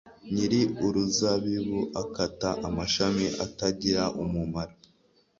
Nyiri uruzabibu akata amashami atagira umumaro;